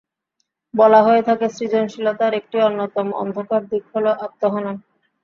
বলা হয়ে থাকে, সৃজনশীলতার একটি অন্যতম অন্ধকার দিক হলো আত্মহনন।